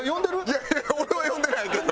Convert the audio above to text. いやいや俺は呼んでないけど。